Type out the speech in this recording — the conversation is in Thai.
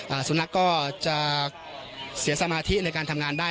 สุนัขก็จะเสียสมาธิในการทำงานได้